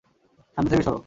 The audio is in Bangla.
সামনে থেকে সর।